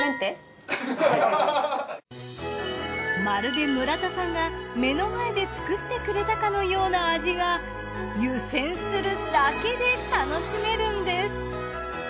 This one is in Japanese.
まるで村田さんが目の前で作ってくれたかのような味が湯煎するだけで楽しめるんです。